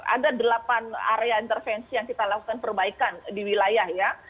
ada delapan area intervensi yang kita lakukan perbaikan di wilayah ya